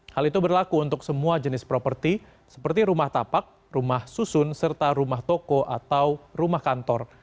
hal itu berlaku untuk semua jenis properti seperti rumah tapak rumah susun serta rumah toko atau rumah kantor